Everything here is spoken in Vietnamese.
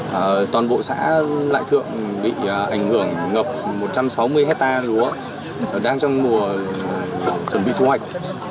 và toàn bộ xã lại thượng bị ảnh hưởng ngập một trăm sáu mươi hectare lúa đang trong mùa chuẩn bị thu hoạch